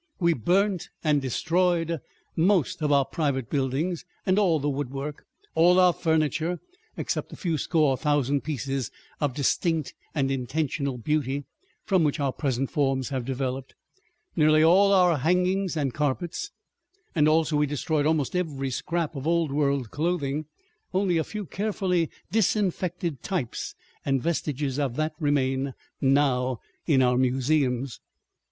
We burnt and destroyed most of our private buildings and all the woodwork, all our furniture, except a few score thousand pieces of distinct and intentional beauty, from which our present forms have developed, nearly all our hangings and carpets, and also we destroyed almost every scrap of old world clothing. Only a few carefully disinfected types and vestiges of that remain now in our museums.